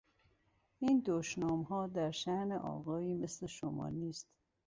این دشنامها در شان آقایی مثل شما نیست.